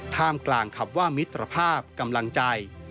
ท่ามกลางคำว่ามิตรภาพกำลังใจ